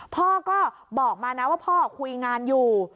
พ่อก็บอกมานะว่าพ่อคุยงานอยู่